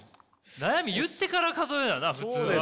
悩み言ってから数えなな普通は。